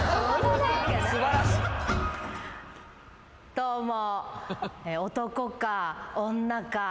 どうも。